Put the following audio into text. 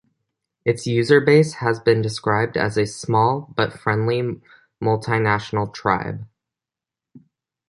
Its userbase has been described as a "small but friendly multinational tribe".